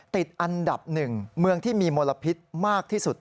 ติดอันดับหนึ่งเมืองที่มีมลพิษมากที่สุด